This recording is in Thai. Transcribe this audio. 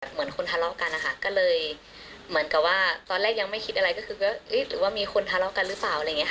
เหมือนคนทะเลาะกันนะคะก็เลยเหมือนกับว่าตอนแรกยังไม่คิดอะไรก็คือก็เอ๊ะหรือว่ามีคนทะเลาะกันหรือเปล่าอะไรอย่างนี้ค่ะ